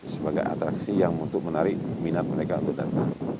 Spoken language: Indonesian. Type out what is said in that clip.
sebagai atraksi yang untuk menarik minat mereka untuk datang